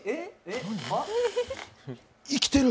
生きてる！